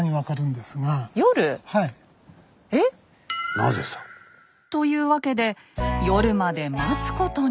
なぜさ？というわけで夜まで待つことに。